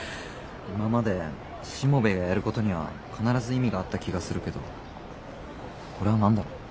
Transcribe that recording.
今までしもべえがやることには必ず意味があった気がするけどこれは何だろ？